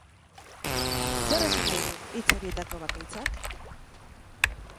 Zer esan nahi du hitz horietako bakoitzak?